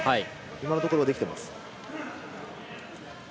今のところできています。